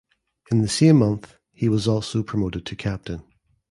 In the same month he was also promoted to captain.